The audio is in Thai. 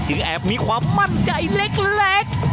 แอบมีความมั่นใจเล็ก